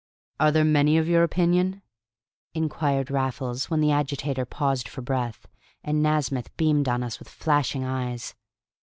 "Are there many of your opinion?" inquired Raffles, when the agitator paused for breath. And Nasmyth beamed on us with flashing eyes.